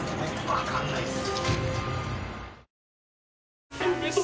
わかんないです。